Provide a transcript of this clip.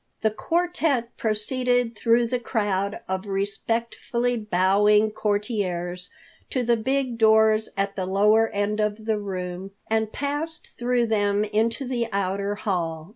The quartet proceeded through the crowd of respectfully bowing courtiers to the big doors at the lower end of the room and passed through them into the outer hall.